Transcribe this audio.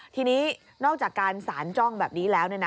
ทีนี้นอกจากการสารจ้องแบบนี้แล้ว